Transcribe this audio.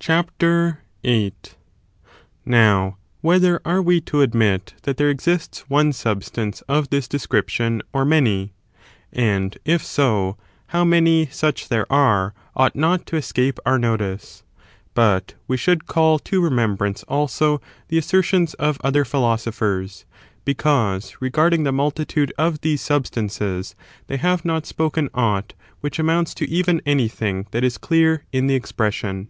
CHAPTER VIII. Now, whether are we to admit that there j ^^^^^^^ exists one Substance of this description or'many 1 ^ unity or piura and if so, how many such there are ought not to lJjirm*oSfo«, escape our notice ; but we should call to rie or first sub membrance also the assertions of other Philoso phers, because, regarding the multitude of these substances, they have not spoken aught which amounts to even anything that is clear in the expression.